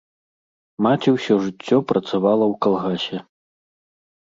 Маці ўсё жыццё працавала ў калгасе.